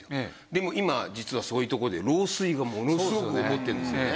でも今実はそういうとこで漏水がものすごく起こっているんですよね。